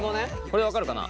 これ分かるかな？